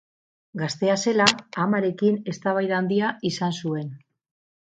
Gaztea zela, amarekin eztabaida handia izan zuen.